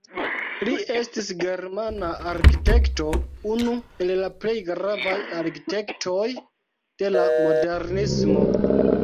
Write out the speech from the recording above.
Li estis germana arkitekto, unu el la plej gravaj arkitektoj de la modernismo.